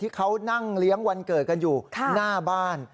ที่เขานั่งเลี้ยงวันเกิดกันอยู่หน้าบ้าน